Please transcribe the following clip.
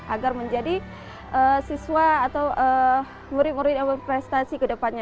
agar menjadi siswa atau murid murid yang berprestasi ke depannya